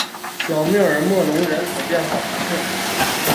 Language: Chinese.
小穆尔默隆人口变化图示